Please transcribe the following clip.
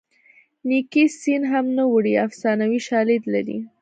نیکي سین هم نه وړي افسانوي شالید لري